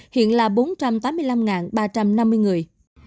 hiện là bốn trăm tám mươi năm ba trăm năm mươi người